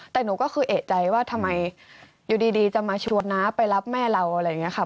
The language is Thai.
แต่หนูก็คือเอกใจว่าทำไมอยู่ดีจะมาชวนน้าไปรับแม่เราอะไรอย่างนี้ค่ะ